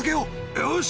よし！